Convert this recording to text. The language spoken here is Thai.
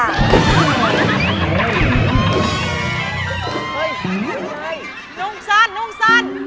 นุ่มสั้นนุ่มสั้น